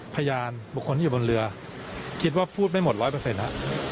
พยานบุคคลที่อยู่บนเรือคิดว่าพูดไม่หมด๑๐๐นะ